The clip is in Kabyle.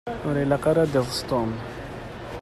Ur ilaq ara ad d-iḍes Tom.